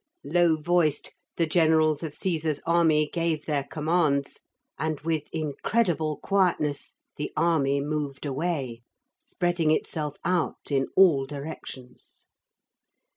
Low voiced, the generals of Caesar's army gave their commands, and with incredible quietness the army moved away, spreading itself out in all directions.